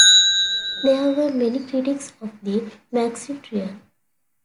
There were many critics of the Maxi Trial.